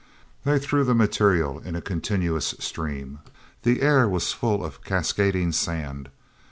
They threw the material in a continuous stream; the air was full of cascading sand.